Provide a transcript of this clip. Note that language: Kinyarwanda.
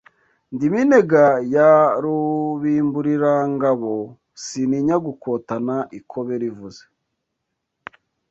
Ndi Minega ya Rubimbulirangabo, sintiya gukotana ikobe rivuze